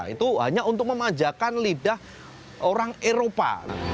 itu hanya untuk memanjakan lidah orang eropa